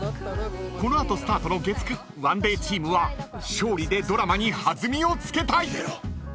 この後スタートの月９ＯＮＥＤＡＹチームは勝利でドラマに弾みをつけたい！］